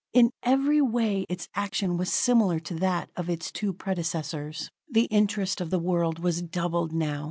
In every way its action was similar to that of its two predecessors. The interest of the world was doubled now.